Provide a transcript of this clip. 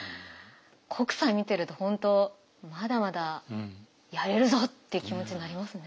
北斎見てると本当まだまだやれるぞって気持ちになりますね。